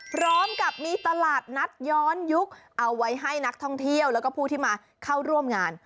พร้อมกับมีตลาดนัดย้อนยุคเอาไว้ให้นักท่องเที่ยวแล้วก็ผู้ที่มาเข้าร่วมงาน